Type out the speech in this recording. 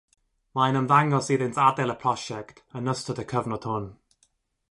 Mae'n ymddangos iddynt adael y prosiect yn ystod y cyfnod hwn.